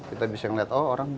kita bisa melihat